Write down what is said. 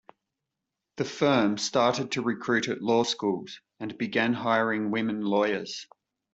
The firm started to recruit at law schools and began hiring women lawyers.